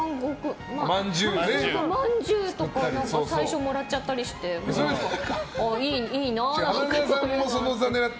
まんじゅうとかを最初もらっちゃったりしていいなって。